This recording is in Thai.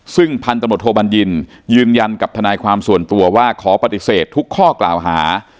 ซึ่งพันตำรวจโทบัญญินยืนยันกับทนายความส่วนตัวว่าขอปฏิเสธทุกข้อกล่าวหา